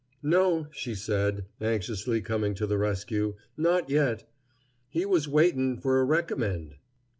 "No," she said, anxiously coming to the rescue, "not yet; he was waitin' for a recommend."